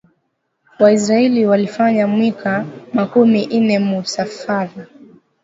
Wa isiraeli walifanya mwika makumi ine mu safari